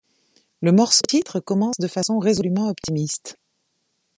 Le morceau titre commence de façon résolument optimiste.